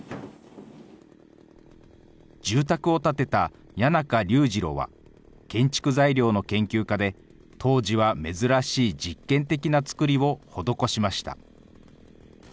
住宅を建てた矢中龍次郎は、建築材料の研究家で、当時は珍しい実験的な造りを施しました。